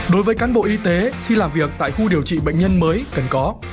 đối với cán bộ y tế khi làm việc tại khu điều trị bệnh nhân mới cần có